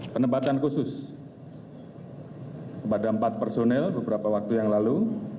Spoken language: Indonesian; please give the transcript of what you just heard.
penempatan khusus kepada empat personel beberapa waktu yang lalu